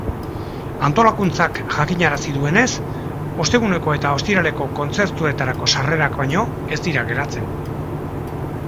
Antolakuntzak jakinarazi duenez, osteguneko eta ostiraleko kontzertuetarako sarrerak baino ez dira geratzen.